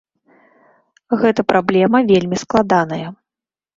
Гэта праблема вельмі складаная.